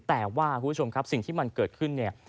แต่ว่าคุณผู้ชมครับสิ่งที่มันเกิดขึ้นเนี่ย